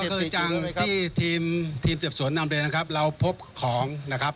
ก็คือจังที่ทีมทีมเสพสวนดำเดนนะครับเราพบของนะครับ